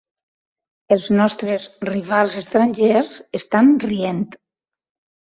Els nostres rivals estrangers estan rient.